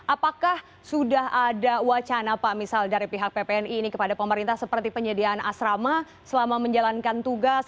apakah sudah ada wacana pak misal dari pihak ppni ini kepada pemerintah seperti penyediaan asrama selama menjalankan tugas